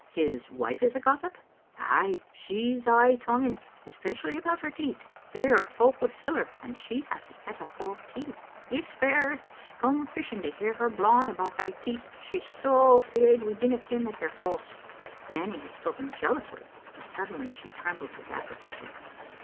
" His wife is a gossip?" "Ay, she's aye tonguing, especially about her teeth. They're folk wi' siller, and she has a set o' false teeth. It's fair scumfishing to hear her blawing about thae teeth, she's so fleid we dinna ken that they're false." Nanny had spoken jealously, but suddenly she trem bled with apprehension.